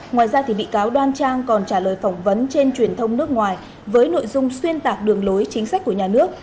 ngoài ra bị cáo đoan trang còn trả lời phỏng vấn trên truyền thông nước ngoài với nội dung xuyên tạc đường lối chính sách của nhà nước